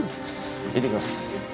いってきます。